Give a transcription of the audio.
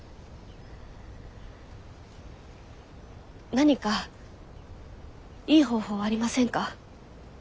何かいい方法はありませんか？